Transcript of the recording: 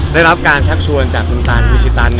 ได้รับการชักชวนจากคุณตันยูชิตัน